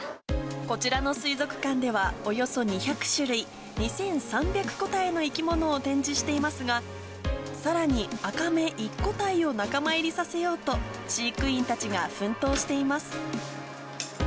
こちらの水族館では、およそ２００種類、２３００個体の生き物を展示していますが、さらにアカメ１個体を仲間入りさせようと、飼育員たちが奮闘しています。